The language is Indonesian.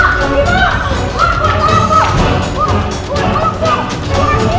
lu demen banget sih lu nyari ribut sama gua sih lu